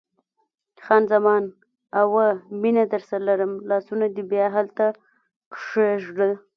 خان زمان: اوه، مینه درسره لرم، لاسونه دې بیا هلته کښېږده.